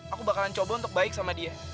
aku bakalan coba untuk baik sama dia